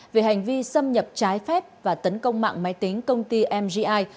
về hành vi xâm nhập trái phép và tấn công mạng máy tính công ty mgi